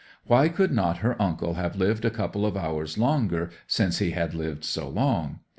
Why could not her uncle have lived a couple of hours longer, since he had lived so long?